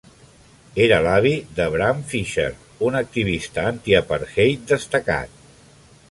Era l'avi de Bram Fischer, un activista antiapartheid destacat.